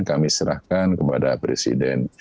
kami serahkan kepada presiden